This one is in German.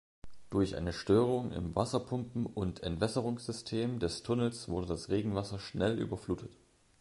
Durch eine Störung im Wasserpumpen- und -entwässerungssystem des Tunnels wurde das Regenwasser schnell überflutet.